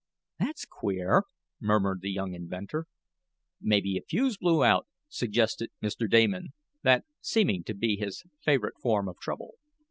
"That's queer," murmured the young inventor. "Maybe a fuse blew out," suggested Mr. Damon, that seeming to be his favorite form of trouble.